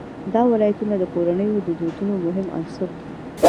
دا ولایتونه د کورنیو د دودونو مهم عنصر دی.